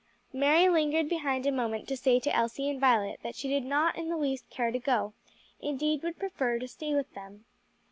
Mary lingered behind a moment to say to Elsie and Violet that she did not in the least care to go, indeed would prefer to stay with them.